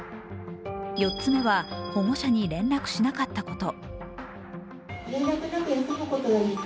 ４つ目は、保護者に連絡しなかったこと。